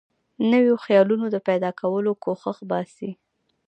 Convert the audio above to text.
نویو خیالونو د پیدا کولو کوښښ باسي.